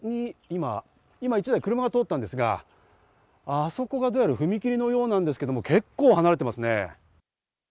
今、１台、車が通ったんですが、あそこがどうやら踏み切りのようなんですけど、結構離れてますね。